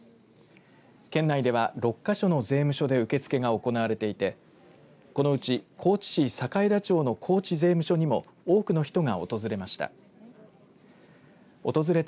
県内では６か所の税務署で受け付けが行われていてこのうち高知市栄田町の高知税務署にも多くの人が訪れました。